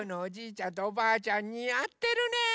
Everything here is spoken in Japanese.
ちゃんとおばあちゃんにあってるね。